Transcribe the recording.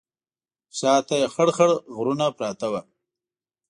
شا ته یې خړ خړ غرونه پراته وو.